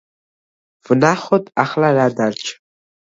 ვნახოთ ახლა რა დარჩა.